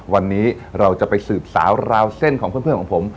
วันนี้เราจะไปสืบสาวราวเส้นของเพื่อนของผม